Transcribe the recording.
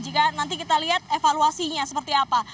jika nanti kita lihat evaluasinya seperti apa